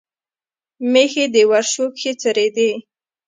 مېښې دې ورشو کښې څرېدې